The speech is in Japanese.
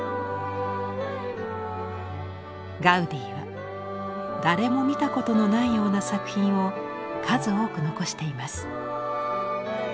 ガウディは誰も見たことのないような作品を数多く残しています。